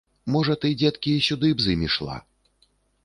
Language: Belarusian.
Можа, ты, дзеткі, сюды б з ім ішла?